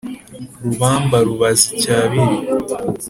Rubamba rubaza icy' abiri ;